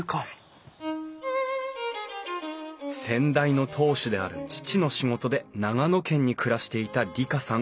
先代の当主である父の仕事で長野県に暮らしていた里香さん